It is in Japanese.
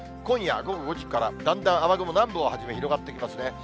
今夜、午後５時からだんだん雨雲、南部をはじめ、広がってきますね。